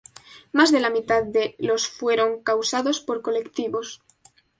Más de la mitad de los fueron causados por colectivos.